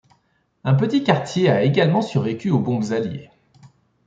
Un petit quartier a également survécu aux bombes alliées.